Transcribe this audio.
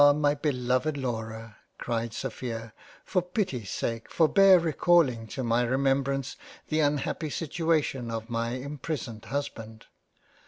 my beloved Laura (cried Sophia) for pity's sake forbear recalling to my remembrance the unhappy situation of my imprisoned Husband.